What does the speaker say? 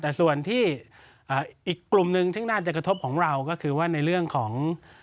แต่ส่วนที่อีกกลุ่มหนึ่งซึ่งน่าจะกระทบของเราก็คือว่าในเรื่องของ